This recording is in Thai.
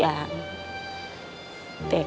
ผมคิดว่าสงสารแกครับ